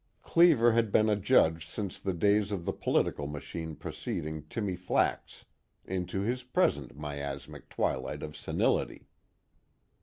Cleever had been a judge since the days of the political machine preceding Timmy Flack's, into his present miasmic twilight of senility.